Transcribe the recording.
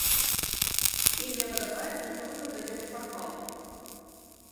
Ім не падабацца, што мы прадаём шпаргалкі.